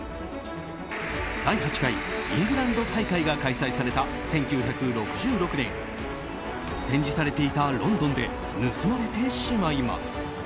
第８回、イングランド大会が開催された１９６６年展示されていたロンドンで盗まれてしまいます。